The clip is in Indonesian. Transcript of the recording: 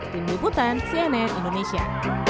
tim liputan cnn indonesia